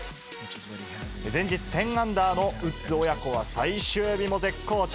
前日、１０アンダーのウッズ親子は最終日も絶好調。